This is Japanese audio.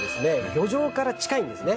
漁場から近いんですね。